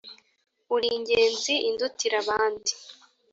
uri ingenzi indutira abandi